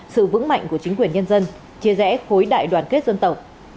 sự vững mạnh của chính quyền nhân dân chia rẽ khối đại đoàn kết dân tộc